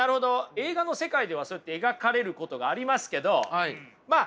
映画の世界ではそうやって描かれることがありますけどまあ